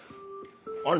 あれ？